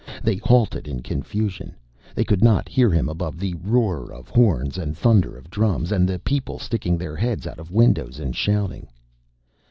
They halted in confusion. They could not hear him above the roar of horns and thunder of drums and the people sticking their heads out of windows and shouting.